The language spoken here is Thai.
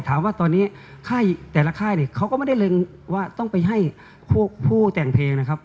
ถามว่าตอนนี้ค่ายแต่ละค่ายเนี่ยเขาก็ไม่ได้เร็งว่าต้องไปให้ผู้แต่งเพลงนะครับ